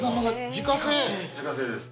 ・自家製です。